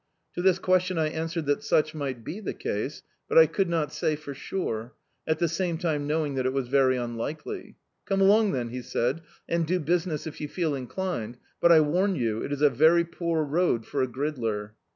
To this question I answered that such might be the case, but I could not say for sure— at the same time knowing that it was very unlikely. "Cwne along then," he said, "and do business if you feel inclined; but, I warn you, it is a very poor road for a gridler."